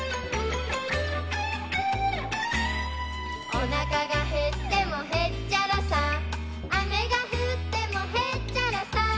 「おなかがへってもへっちゃらさ」「雨が降ってもへっちゃらさ」